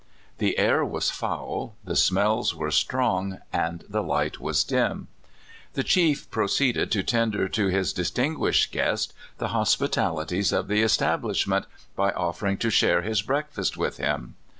The air was foul, the smells were strong, and the light was dim. The chief proceeded to tender to his distinguished guest the hospitalities of the estabhshment by offering to share his breakfast with him.